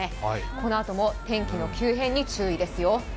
このあとも天気の急変に注意ですよ。